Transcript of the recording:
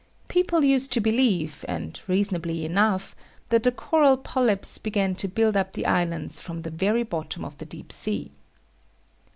People used to believe, and reasonably enough, that the coral polypes began to build up the islands from the very bottom of the deep sea.